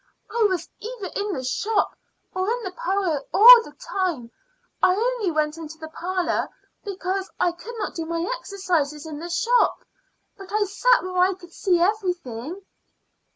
"I was either in the shop or in the parlor all the time. I only went into the parlor because I could not do my exercises in the shop. But I sat where I could see everything."